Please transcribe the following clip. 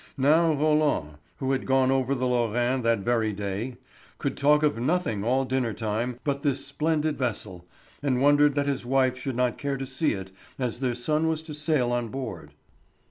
Now Roland, who had gone over the Lorraine that very day, could talk of nothing all dinnertime but this splendid vessel, and wondered that his wife should not care to see it as their son was to sail on board.